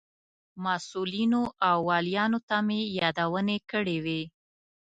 مسئولینو او والیانو ته مې یادونې کړې وې.